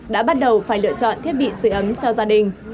đã bắt đầu phải lựa chọn thiết bị sửa ấm cho gia đình